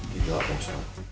tidak pak ustadz